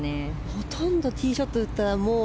ほとんどティーショット打ったらもう。